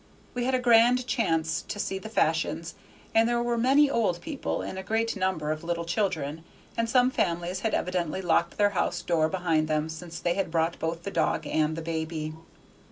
We had a grand chance to see the fashions, and there were many old people and a great number of little children, and some families had evidently locked their house door behind them, since they had brought both the dog and the baby.